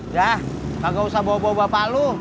jak kagak usah bawa bawa bapak lo